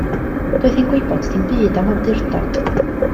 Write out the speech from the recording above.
Doedd hi'n gwybod dim byd am awdurdod.